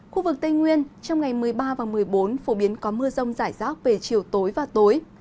khu vực tây nguyên trong ngày một mươi ba và một mươi bốn phổ biến có mưa rông rải rác về chiều tối và tối